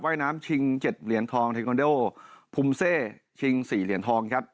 ว่ายน้ำชิง๗เหรียญทองเทควันโดภูมิเซชิง๔เหรียญทองครับ